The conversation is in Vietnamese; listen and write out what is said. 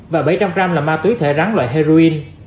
và bảy trăm linh gram là ma túy thể rắn loại heroin